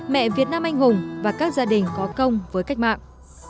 mẹ việt nam anh hùng và các gia đình có công với cách mạng